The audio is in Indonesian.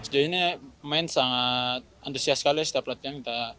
jadi ini pemain sangat antusias sekali setiap latihan kita